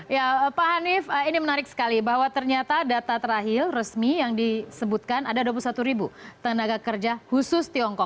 ya pak hanif ini menarik sekali bahwa ternyata data terakhir resmi yang disebutkan ada dua puluh satu ribu tenaga kerja khusus tiongkok